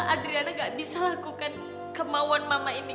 adriana gak bisa lakukan kemauan mama ini